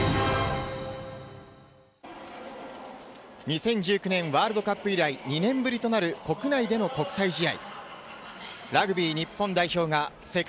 ２０１９年ワールドカップ以来２年ぶりとなる国内での国際試合。